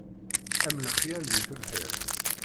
Am lexyal di tebḥirt.